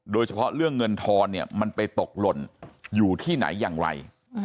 โดยเฉพาะเรื่องเงินทอนเนี่ยมันไปตกหล่นอยู่ที่ไหนอย่างไร